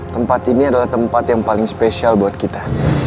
tempat ini adalah tempat yang paling spesial buat kita